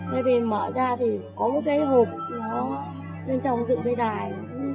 thế thì mở ra thì có một cái hộp bên trong dựng cái đài